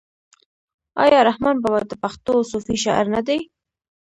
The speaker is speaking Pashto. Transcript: آیا رحمان بابا د پښتو صوفي شاعر نه دی؟